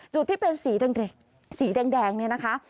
จุดที่เป็นสีแดงนี่นะคะ